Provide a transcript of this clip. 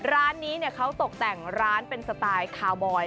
ร้านนี้เขาตกแต่งร้านเป็นสไตล์คาวบอย